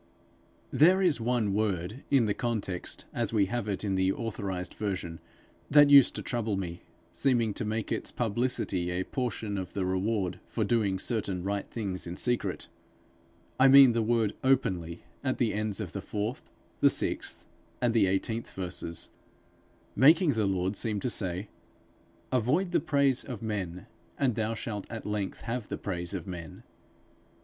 There is one word in the context, as we have it in the authorized version, that used to trouble me, seeming to make its publicity a portion of the reward for doing certain right things in secret: I mean the word openly, at the ends of the fourth, the sixth, and the eighteenth verses, making the Lord seem to say, 'Avoid the praise of men, and thou shalt at length have the praise of men.'